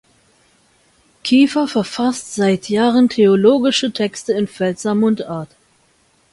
Kiefer verfasst seit Jahren theologische Texte in Pfälzer Mundart.